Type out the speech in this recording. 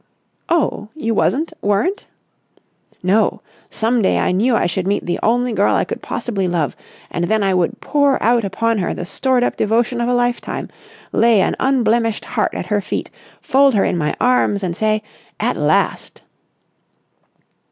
"Oh, you wasn't ... weren't?" "No. Some day I knew I should meet the only girl I could possibly love, and then I would pour out upon her the stored up devotion of a lifetime, lay an unblemished heart at her feet, fold her in my arms and say 'At last!